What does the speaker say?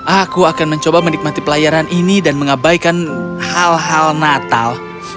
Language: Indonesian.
aku akan mencoba menikmati pelayaran ini dan mengabaikan hal hal natal